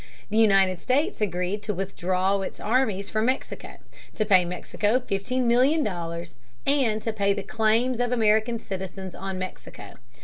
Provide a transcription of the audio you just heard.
The United States agreed to withdraw its armies from Mexico, to pay Mexico fifteen million dollars, and to pay the claims of American citizens on Mexico.